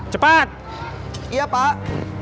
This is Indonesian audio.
cepat iya pak